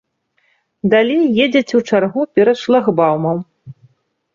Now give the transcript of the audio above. Далей едзеце ў чаргу перад шлагбаумам.